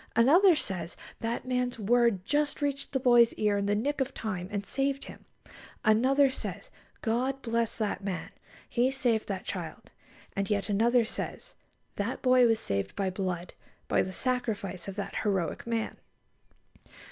Another says: "That man's word just reached the boy's ear in the nick of time, and saved him." Another says: "God bless that man! He saved that child." And yet another says: "That boy was saved by blood; by the sacrifice of that heroic man!"